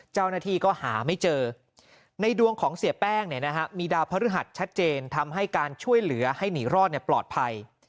เจ้าหน้าที่ก็หาไม่เจอในดวงของเสียแป้งมีดาวพระฤหัสชัดเจนทำให้การช่วยเหลือให้หนีรอดปลอดภัย